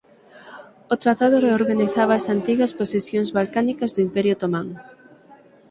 O tratado reorganizaba as antigas posesións balcánicas do Imperio Otomán.